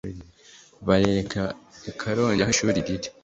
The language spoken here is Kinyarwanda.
barerera i Karongi aho ishuri riri